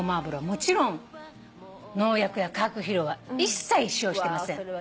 もちろん農薬や化学肥料は一切使用してません。